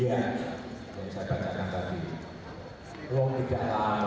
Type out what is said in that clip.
kalau tidak lah